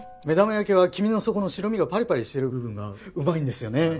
目玉焼きは黄身の底の白身がパリパリしている部分がうまいんですよね。